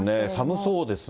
そうですね。